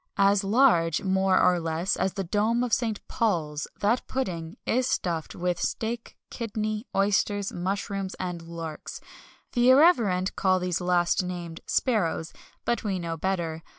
As large, more or less, as the dome of St. Paul's, that pudding is stuffed with steak, kidney, oysters, mushrooms, and larks. The irreverent call these last named sparrows, but we know better.